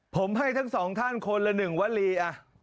ผมให้ทั้งสองท่านคนละ๑วลี